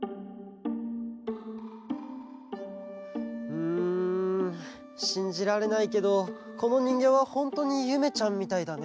うんしんじられないけどこのにんぎょうはホントにゆめちゃんみたいだね。